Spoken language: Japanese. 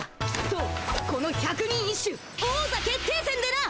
そうこの百人一首王座決定戦でな。